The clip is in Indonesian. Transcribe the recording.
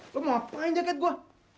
lo mau ngapain jaket gua